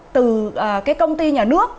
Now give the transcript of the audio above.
từ cái công ty nhà nước